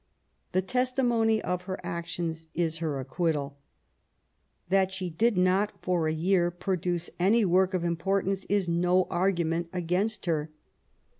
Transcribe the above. The testimony of her actions is her acquittal. That she did not for a year produce any work of importance is no ar^ment against her.